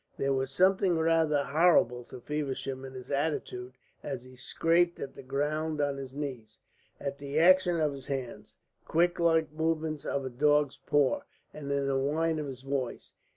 There was something rather horrible to Feversham in his attitude as he scraped at the ground on his knees, at the action of his hands, quick like the movements of a dog's paws, and in the whine of his voice.